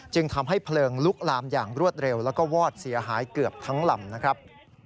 จึงทำให้เพลิงลุกลามอย่างรวดเร็วแล้วก็วอดเสียหายเกือบทั้งลำนะครับ